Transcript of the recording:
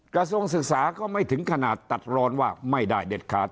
กระทรวงศึกษาก็ไม่ถึงขนาดตัดร้อนว่าไม่ได้เด็ดขาด